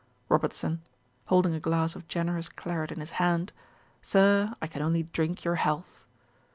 ROBERTSON: (holding a glass of generous claret in his hand.) 'Sir, I can only drink your health.'